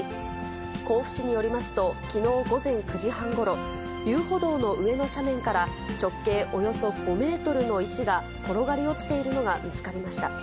甲府市によりますと、きのう午前９時半ごろ、遊歩道の上の斜面から、直径およそ５メートルの石が転がり落ちているのが見つかりました。